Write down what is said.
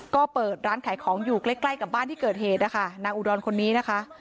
ก็เปิดร้านขายของอยู่ใกล้ใกล้กับบ้านที่เกิดเหตุนะคะนางอุดรคนนี้นะคะ